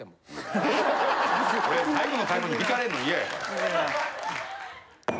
俺最後の最後に引かれんのイヤやから。